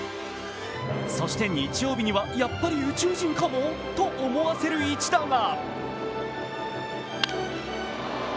そして日曜日には、やっぱり宇宙人かもと思わせる一打が。